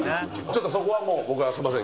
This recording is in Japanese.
ちょっとそこはもう僕はすみません